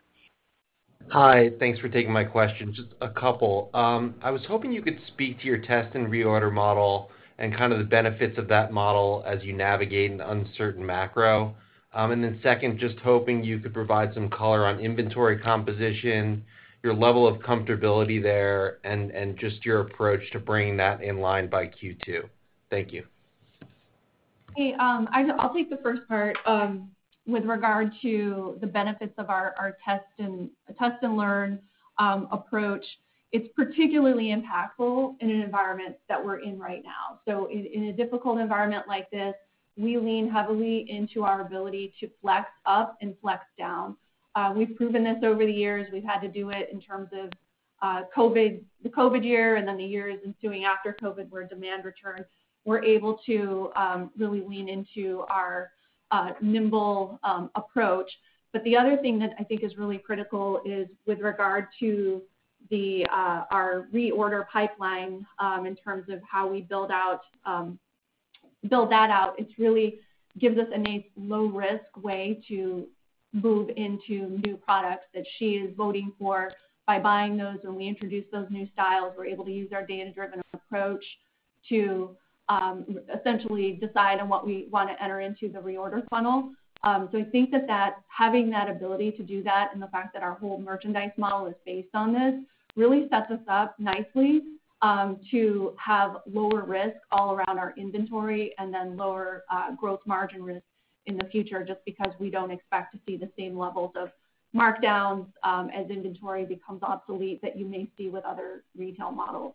Hi. Thanks for taking my question. Just a couple. I was hoping you could speak to your test and reorder model and kind of the benefits of that model as you navigate an uncertain macro. Then second, just hoping you could provide some color on inventory composition, your level of comfortability there, and just your approach to bringing that in line by Q2. Thank you. Hey, I'll take the first part. With regard to the benefits of our test and learn approach, it's particularly impactful in an environment that we're in right now. In a difficult environment like this, we lean heavily into our ability to flex up and flex down. We've proven this over the years. We've had to do it in terms of COVID, the COVID year and then the years ensuing after COVID, where demand returned. We're able to really lean into our nimble approach. The other thing that I think is really critical is with regard to our reorder pipeline, in terms of how we build out, build that out. It's really gives us a nice low risk way to move into new products that she is voting for by buying those. When we introduce those new styles, we're able to use our data-driven approach to essentially decide on what we wanna enter into the reorder funnel. I think that, having that ability to do that and the fact that our whole merchandise model is based on this really sets us up nicely, to have lower risk all around our inventory and then lower gross margin risk in the future, just because we don't expect to see the same levels of markdowns, as inventory becomes obsolete that you may see with other retail models.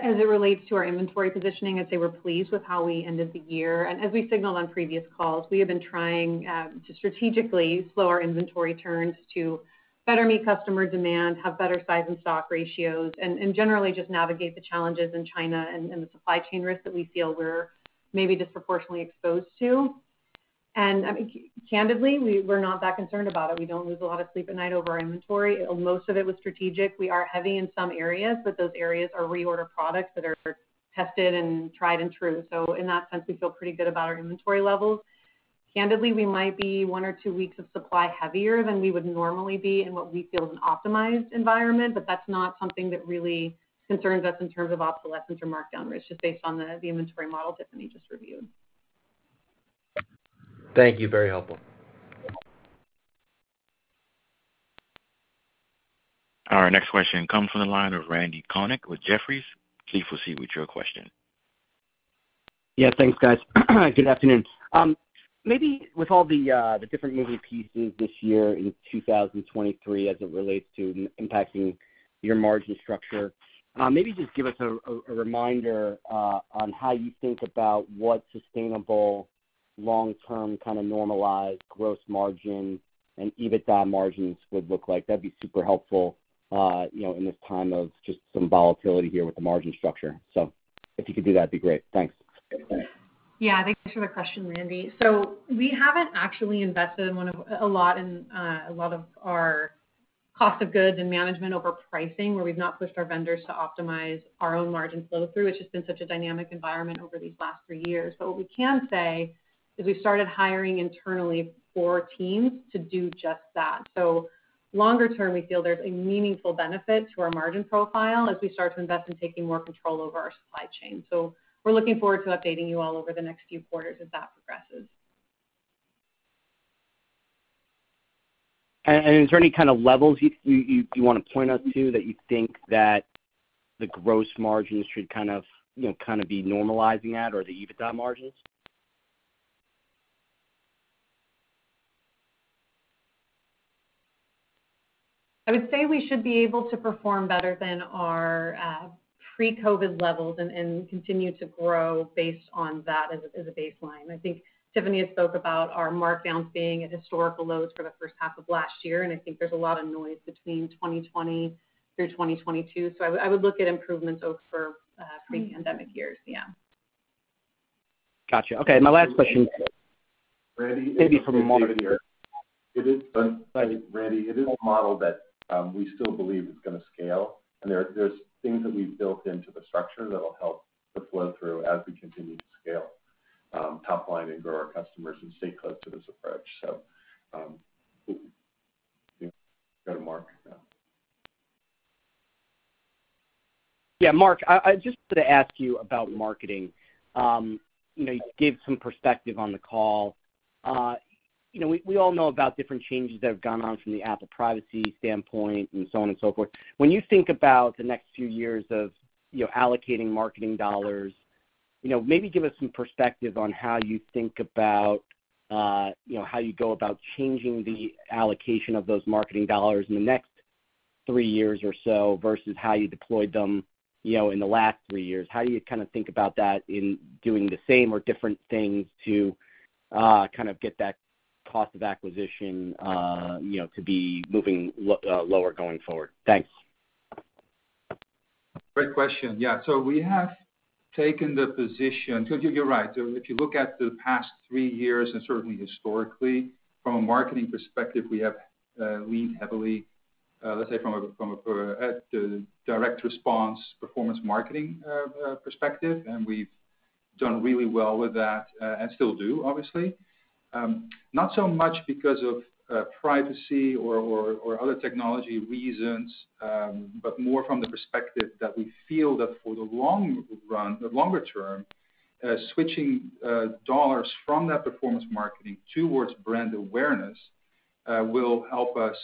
As it relates to our inventory positioning, I'd say we're pleased with how we ended the year. As we signaled on previous calls, we have been trying to strategically slow our inventory turns to better meet customer demand, have better size and stock ratios, and generally just navigate the challenges in China and the supply chain risks that we feel we're maybe disproportionately exposed to. I mean, candidly, we're not that concerned about it. We don't lose a lot of sleep at night over our inventory. Most of it was strategic. We are heavy in some areas, but those areas are reorder products that are tested and tried and true. In that sense, we feel pretty good about our inventory levels. Candidly, we might be one or two weeks of supply heavier than we would normally be in what we feel is an optimized environment, but that's not something that really concerns us in terms of obsolescence or markdown rates, just based on the inventory model Tiffany just reviewed. Thank you. Very helpful. Our next question comes from the line of Randy Konik with Jefferies. Please proceed with your question. Yeah. Thanks, guys. Good afternoon. Maybe with all the different moving pieces this year in 2023 as it relates to impacting your margin structure, maybe just give us a reminder on how you think about what sustainable long-term kind of normalized gross margin and EBITDA margins would look like. That'd be super helpful, you know, in this time of just some volatility here with the margin structure. If you could do that, it'd be great. Thanks. Yeah. Thanks for the question, Randy. We haven't actually invested in a lot in a lot of our cost of goods and management over pricing, where we've not pushed our vendors to optimize our own margin flow through, it's just been such a dynamic environment over these last three years. What we can say is we started hiring internally for teams to do just that. Longer term, we feel there's a meaningful benefit to our margin profile as we start to invest in taking more control over our supply chain. We're looking forward to updating you all over the next few quarters as that progresses. Is there any kind of levels you wanna point us to that you think that the gross margin should kind of, you know, kind of be normalizing at, or the EBITDA margins? I would say we should be able to perform better than our pre-COVID levels and continue to grow based on that as a baseline. I think Tiffany had spoke about our markdowns being at historical lows for the first half of last year. I think there's a lot of noise between 2020 through 2022. I would look at improvements over pre-pandemic years. Yeah. Gotcha. Okay. My last question- Randy, it is. Maybe from a more- It is, Randy, it is a model that we still believe is gonna scale. There's things that we've built into the structure that'll help the flow through as we continue to scale top line and grow our customers and stay close to this approach. Go to Mark now. Yeah, Mark, I just wanna ask you about marketing. You know, you gave some perspective on the call. You know, we all know about different changes that have gone on from the Apple Privacy standpoint and so on and so forth. When you think about the next few years of, you know, allocating marketing dollars, you know, maybe give us some perspective on how you think about, you know, how you go about changing the allocation of those marketing dollars in the next 3 years or so versus how you deployed them, you know, in the last 3 years. How do you kinda think about that in doing the same or different things to kind of get that cost of acquisition, you know, to be moving lower going forward? Thanks. Great question. We have taken the position. You're right. If you look at the past three years, and certainly historically, from a marketing perspective, we have leaned heavily at the direct response performance marketing perspective, and we've done really well with that and still do, obviously. Not so much because of privacy or other technology reasons, but more from the perspective that we feel that for the long run, the longer term, switching dollars from that performance marketing towards brand awareness will help us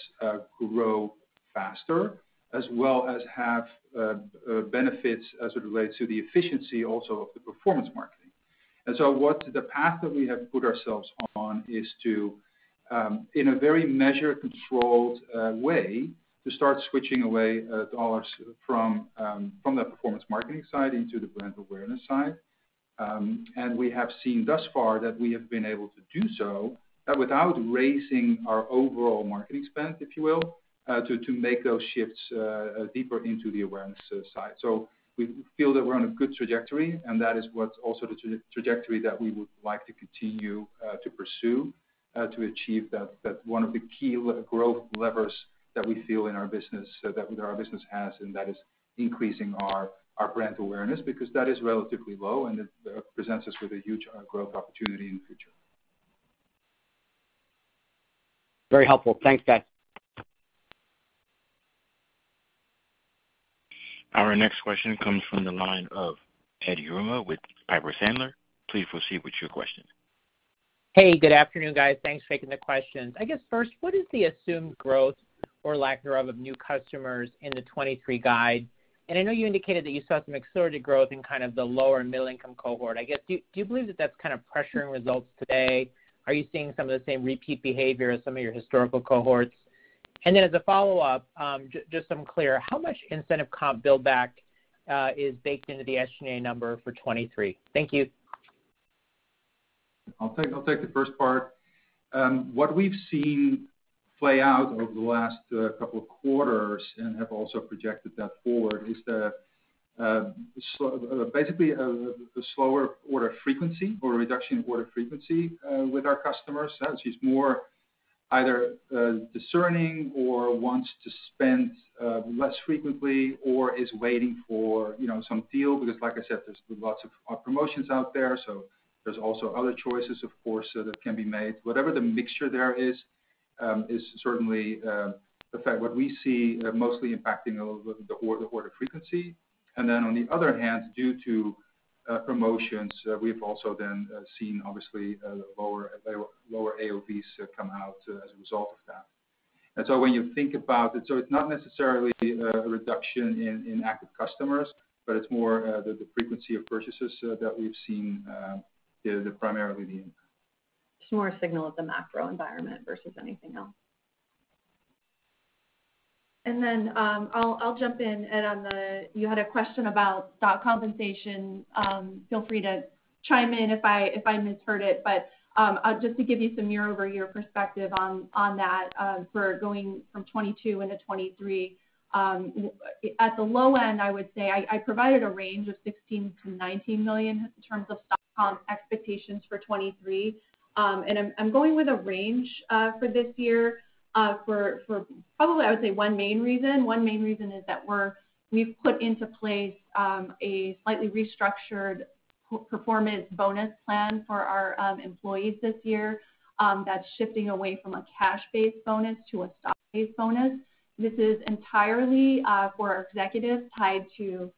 grow faster as well as have benefits as it relates to the efficiency also of the performance marketing. What the path that we have put ourselves on is to, in a very measured, controlled way, to start switching away dollars from the performance marketing side into the brand awareness side. We have seen thus far that we have been able to do so without raising our overall marketing spend, if you will, to make those shifts deeper into the awareness side. We feel that we're on a good trajectory, and that is what's also the trajectory that we would like to continue to pursue to achieve that. That one of the key growth levers that we feel in our business, so that our business has, and that is increasing our brand awareness because that is relatively low, and it presents us with a huge growth opportunity in the future. Very helpful. Thanks, guys. Our next question comes from the line of Ed Yruma with Piper Sandler. Please proceed with your question. Hey, good afternoon, guys. Thanks for taking the questions. I guess first, what is the assumed growth or lack thereof of new customers in the 2023 guide? I know you indicated that you saw some accelerated growth in kind of the lower and middle income cohort. I guess, do you believe that that's kind of pressuring results today? Are you seeing some of the same repeat behavior as some of your historical cohorts? As a follow-up, just so I'm clear, how much incentive comp buildback is baked into the SG&A number for 2023? Thank you. I'll take the first part. What we've seen play out over the last couple of quarters and have also projected that forward is basically the slower order frequency or a reduction in order frequency with our customers. That is more either discerning or wants to spend less frequently or is waiting for, you know, some deal because like I said, there's lots of promotions out there. There's also other choices, of course, so that can be made. Whatever the mixture there is certainly the fact what we see mostly impacting the order frequency. On the other hand, due to promotions, we've also then seen obviously lower lower AOV come out as a result of that. When you think about it, so it's not necessarily a reduction in active customers, but it's more the frequency of purchases that we've seen is primarily the impact. It's more a signal of the macro environment versus anything else. I'll jump in. On the... You had a question about stock compensation, feel free to chime in if I misheard it, but, just to give you some year-over-year perspective on that, for going from 2022 into 2023, at the low end, I would say I provided a range of $16 million-$19 million in terms of stock comp expectations for 2023. I'm going with a range for this year, for probably, I would say one main reason. One main reason is that we've put into place a slightly restructured performance bonus plan for our employees this year, that's shifting away from a cash-based bonus to a stock-based bonus. This is entirely for our executives tied to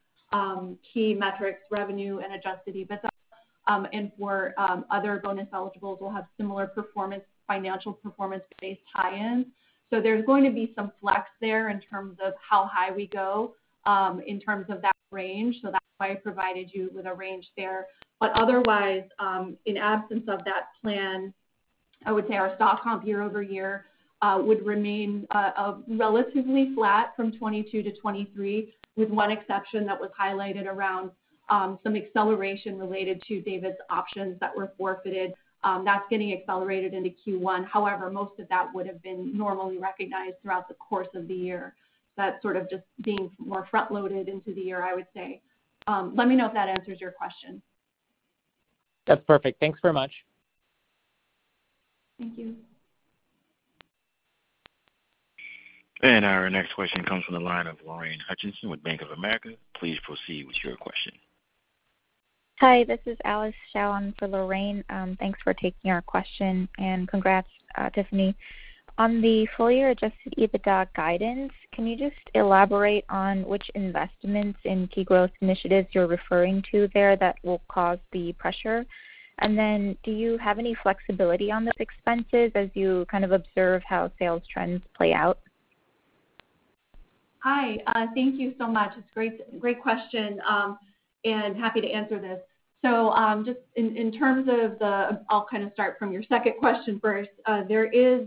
key metrics, revenue and Adjusted EBITDA. For other bonus eligibles, we'll have similar performance, financial performance-based tie-in. There's going to be some flex there in terms of how high we go in terms of that range. That's why I provided you with a range there. Otherwise, in absence of that plan, I would say our stock comp year-over-year would remain relatively flat from 2022 to 2023, with one exception that was highlighted around some acceleration related to David's options that were forfeited. That's getting accelerated into Q1. Most of that would have been normally recognized throughout the course of the year. That's sort of just being more front-loaded into the year, I would say. Let me know if that answers your question. That's perfect. Thanks very much. Thank you. Our next question comes from the line of Lorraine Hutchinson with Bank of America. Please proceed with your question. Hi, this is Alice Xiao in for Lorraine. Thanks for taking our question, congrats, Tiffany. On the full year Adjusted EBITDA guidance, can you just elaborate on which investments in key growth initiatives you're referring to there that will cause the pressure? Then do you have any flexibility on those expenses as you kind of observe how sales trends play out? Hi, thank you so much. It's great question, happy to answer this. I'll kind of start from your second question first. There is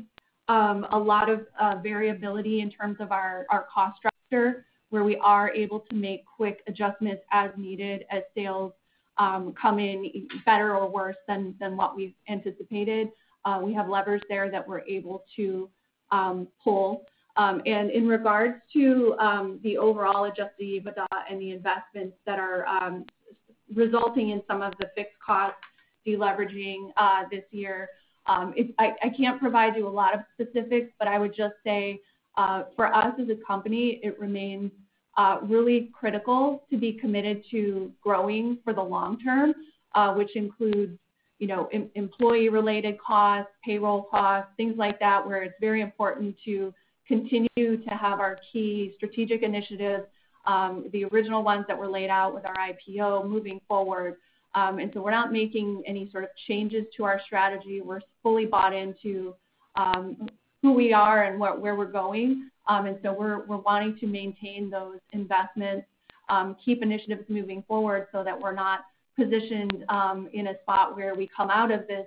a lot of variability in terms of our cost structure, where we are able to make quick adjustments as needed as sales come in better or worse than what we've anticipated. We have levers there that we're able to pull. In regards to the overall Adjusted EBITDA and the investments that are resulting in some of the fixed cost deleveraging this year, I can't provide you a lot of specifics, but I would just say for us as a company, it remains really critical to be committed to growing for the long term, which includes, you know, employee related costs, payroll costs, things like that, where it's very important to continue to have our key strategic initiatives, the original ones that were laid out with our IPO moving forward. We're not making any sort of changes to our strategy. We're fully bought into who we are and where we're going. We're wanting to maintain those investments, keep initiatives moving forward so that we're not positioned in a spot where we come out of this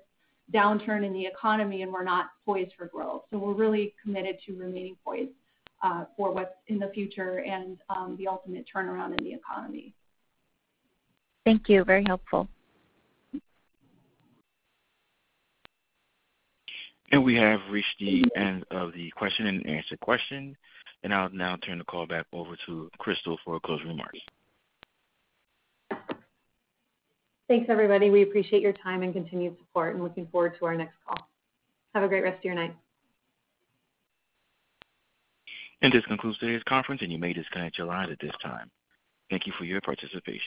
downturn in the economy and we're not poised for growth. We're really committed to remaining poised for what's in the future and the ultimate turnaround in the economy. Thank you. Very helpful. We have reached the end of the question and answer question, and I'll now turn the call back over to Crystal for closing remarks. Thanks, everybody. We appreciate your time and continued support and looking forward to our next call. Have a great rest of your night. This concludes today's conference, and you may disconnect your line at this time. Thank you for your participation.